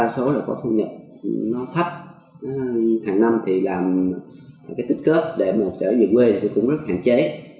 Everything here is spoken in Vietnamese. công nhân lao động đa số có thu nhập thấp hàng năm làm tích cớp để trở về quê cũng rất hạn chế